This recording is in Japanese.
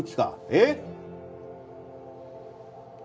えっ？